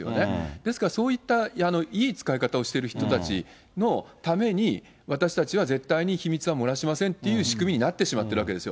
ですからそういったいい使い方をしている人たちのために、私たちは絶対に秘密はもらしませんという仕組みになってしまってるわけですよ。